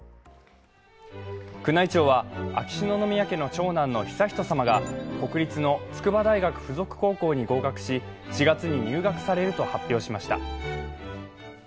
宮内庁は秋篠宮家の長男の悠仁さまが国立の筑波大学附属高校に合格し４月に入学されると発表しました。